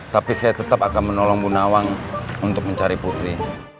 tapi saya tetap akan menolong bu nawang untuk mencari putri